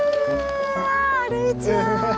歩いちゃおう。